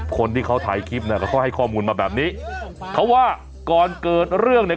คนที่เขาถ่ายคลิปเนี่ยก็เขาให้ข้อมูลมาแบบนี้เขาว่าก่อนเกิดเรื่องเนี่ย